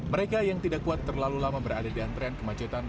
mereka yang tidak kuat terlalu lama berada di antrean kemacetan